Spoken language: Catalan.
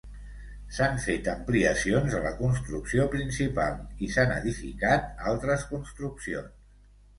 S’han fet ampliacions a la construcció principal i s’han edificat altres construccions.